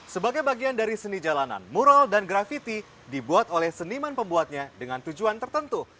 sebagai bagian dari seni jalanan mural dan grafiti dibuat oleh seniman pembuatnya dengan tujuan tertentu